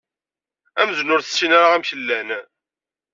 Amzun ur tessin ara amek llan.